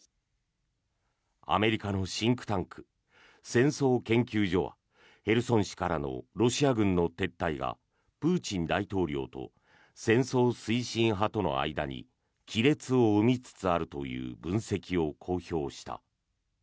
アメリカのシンクタンク戦争研究所はヘルソン市からのロシア軍の撤退がプーチン大統領と戦争推進派との間に亀裂を生みつつあるという分析を公表した。